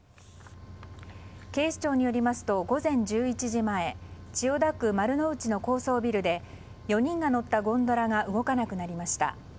警視庁によりますと午前１１時前千代田区丸の内の高層ビルで４人が乗ったゴンドラが動かなくなりました。